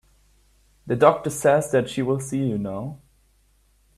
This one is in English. The doctor says that she will see you now.